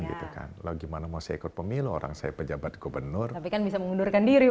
gitu kan lo gimana mau saya ikut pemilu orang saya pejabat gubernur tapi kan bisa mengundurkan diri